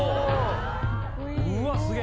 うわすげぇ！